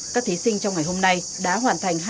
các thí sinh trong ngày hôm nay đã hoàn thành